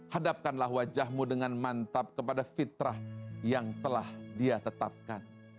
hadapkanlah wajahmu dengan mantap kepada fitrah yang telah dia tetapkan